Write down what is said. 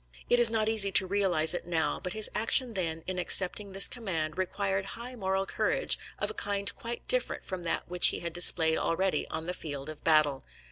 It is not easy to realize it now, but his action then in accepting this command required high moral courage, of a kind quite different from that which he had displayed already on the field of battle.